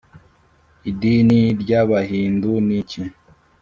idini ry’abahindu ni iki?